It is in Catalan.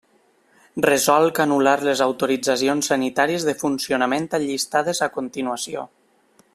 Resolc anul·lar les autoritzacions sanitàries de funcionament allistades a continuació.